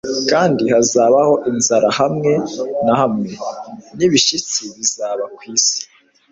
kandi hazabaho inzara hamwe na hamwe n'ibishyitsi bizaba ku isi.